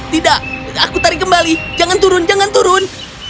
tidak aku tarik kembali jangan turun jangan turun